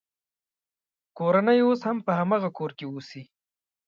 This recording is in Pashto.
کورنۍ یې اوس هم په هماغه کور کې اوسي.